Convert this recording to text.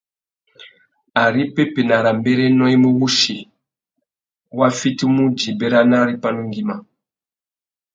Ari pepenarâmbérénô i mú wussi, wa fitimú djï béranari pandú ngüima.